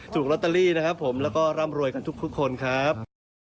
ถูกลอตเตอรี่และร่ำรวยกับทุกคนครับ